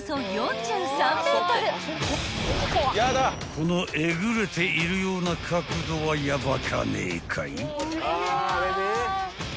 ［このえぐれているような角度はヤバかねえかい］